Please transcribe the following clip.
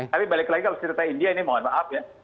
tapi balik lagi kalau cerita india ini mohon maaf ya